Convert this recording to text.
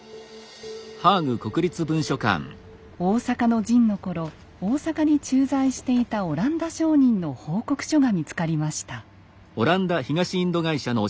大坂の陣の頃大坂に駐在していたオランダ商人の報告書が見つかりました。